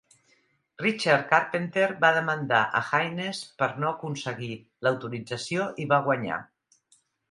Richard Carpenter va demandar a Haynes per no aconseguir l'autorització i va guanyar.